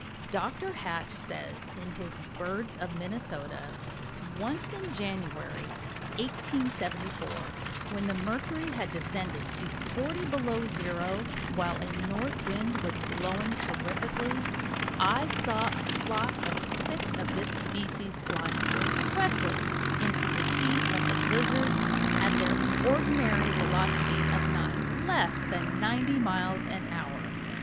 Dr. Hatch says, in his "Birds of Minnesota:" "Once in January, 1874, when the mercury had descended to 40 below zero, while a north wind was blowing terrifically, I saw a flock of six of this species flying directly into the teeth of the blizzard at their ordinary velocity of not less than ninety miles an hour."